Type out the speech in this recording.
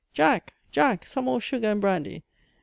Jack! Jack! some more sugar and brandy.